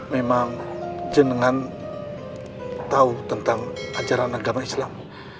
memang jin dengan tahu tentang ajaran agama islam